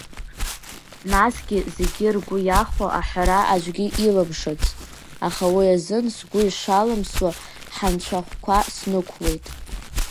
Насгьы зегьы ргәы иахәо аҳәара аӡәгьы илымшац, аха уи азын сгәы ишалымсуа ҳанцәахәқәа снықәуеит!